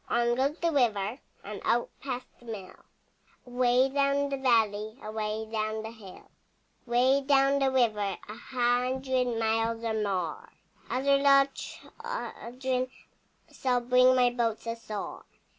On goes the river And out past the mill, Away down the valley, Away down the hill. Away down the river, A hundred miles or more, Other little children Shall bring my boats ashore.